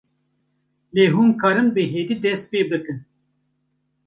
lê hûn karin bi hêdî dest pê bikin